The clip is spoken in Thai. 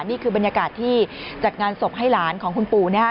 นี่คือบรรยากาศที่จัดงานศพให้หลานของคุณปู่นะฮะ